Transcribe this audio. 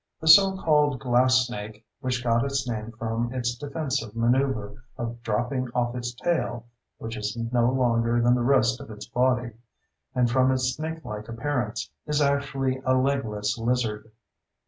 The so called "glass snake"—which got its name from its defensive maneuver of dropping off its tail (which is longer than the rest of its body) and from its snakelike appearance—is actually a legless lizard.